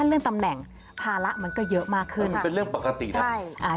สวัสดีค่ะ